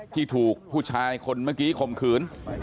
ที่ถูกผู้ชายคนเมื่อกี้ข่มขืน